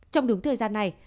trong đúng thời gian này